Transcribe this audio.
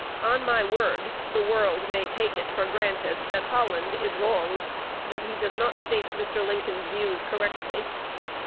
On my word, the world may take it for granted that Holland is wrong, that he does not state Mr. Lincoln's views correctly.